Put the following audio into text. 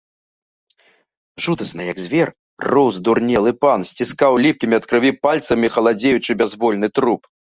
Жудасна, як звер, роў здурнелы пан, сціскаў ліпкімі ад крыві пальцамі халадзеючы бязвольны труп.